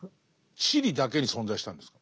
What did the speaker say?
チリだけに存在したんですか？